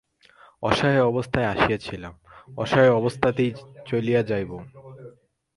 অসহায় অবস্থায় আসিয়াছিলাম, অসহায় অবস্থাতেই চলিয়া যাইব।